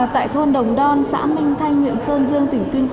tại thôn đồng đoan xã minh thanh huyện sơn dương